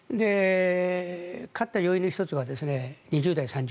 勝った要因の１つは２０代、３０代。